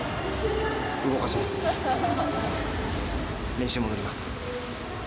練習戻ります。